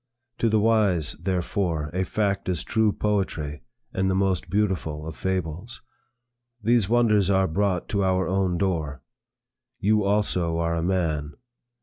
To the wise, therefore, a fact is true poetry, and the most beautiful of fables. These wonders are brought to our own door. You also are a man.